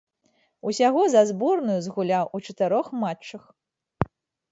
Усяго за зборную згуляў у чатырох матчах.